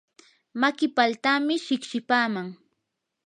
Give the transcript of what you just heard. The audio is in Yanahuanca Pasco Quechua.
maki paltami shiqshipaaman.